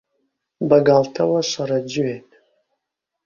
بەگاڵتەوە شەڕە جوێن